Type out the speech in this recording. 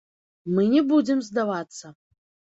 Мы не будзем здавацца.